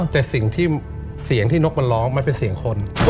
แต่สิ่งที่เสียงที่นกมันร้องมันเป็นเสียงคน